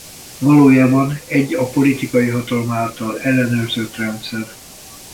Valójában egy a politikai hatalom által ellenőrzött rendszer.